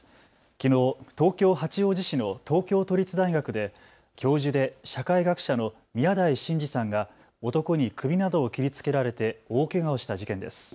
きのう、東京八王子市の東京都立大学で教授で社会学者の宮台真司さんが男に首などを切りつけられて大けがをした事件です。